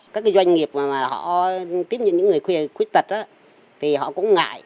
các doanh nghiệp mà họ tiếp nhận những người khuyết tật thì họ cũng ngại